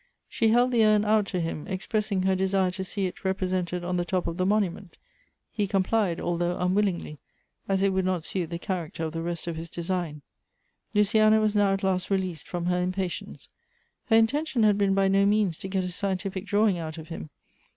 She held the urn out to him, expressing her. desire to see it represented on the top of the monument. He complied, although unwillingly, as it would not suit the character of the rest of his design. Luciana was now at last released from her impatience. Her intention had been by no means to get a scientific drawing out of him.